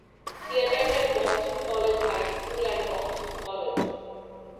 He attended Boston College High School and Boston College.